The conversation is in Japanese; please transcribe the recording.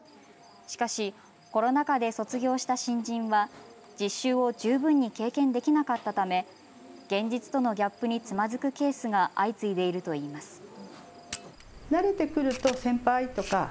しかしコロナ禍で卒業した新人は実習を十分に経験できなかったため現実とのギャップにつまづくケースが相次いでいるといいます。